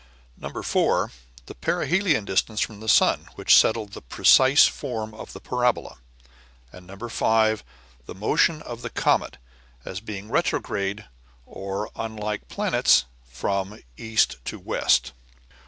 4. The perihelion distance from the sun, which settled the precise form of the parabola. 5. The motion of the comet, as being retrograde, or, unlike the planets, from east to west.